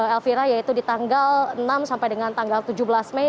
elvira yaitu di tanggal enam sampai dengan tanggal tujuh belas mei